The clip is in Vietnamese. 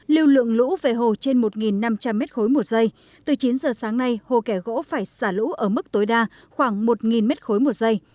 lưu lượng lũ về hồ trên một năm trăm linh m ba một giây từ chín giờ sáng nay hồ kẻ gỗ phải xả lũ ở mức tối đa khoảng một m ba một giây